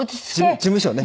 事務所をね